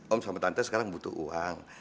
om sama tante sekarang butuh uang